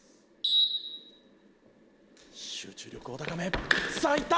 集中力を高めさあ行った！